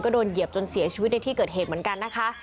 โดนเหยียบจนเสียชีวิตในที่เกิดเหตุเหมือนกันนะคะ